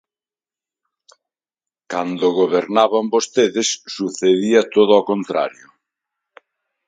Cando gobernaban vostedes sucedía todo o contrario.